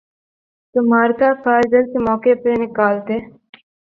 تو معرکہ کارگل کے موقع پہ نکالتے۔